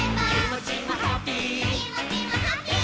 「きもちもハッピー」